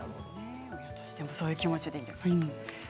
親としてもそういう気持ちでいかないと。